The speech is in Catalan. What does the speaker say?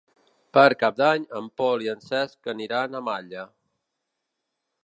Per Cap d'Any en Pol i en Cesc aniran a Malla.